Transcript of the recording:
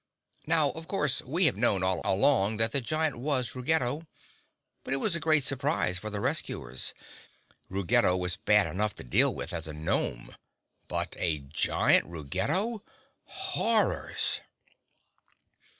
Now of course we have known all along that the giant was Ruggedo, but it was a great surprise for the rescuers. Ruggedo was bad enough to deal with as a gnome—but a giant Ruggedo! _Horrors!